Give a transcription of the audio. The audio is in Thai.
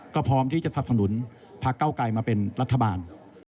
ก็พร้อมที่จะสับสนุนพักเก้าไกลมาเป็นรัฐบาล